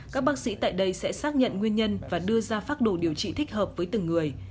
các bác sĩ tại đây sẽ xác nhận nguyên nhân và đưa ra pháp đồ điều trị thích hợp với từng người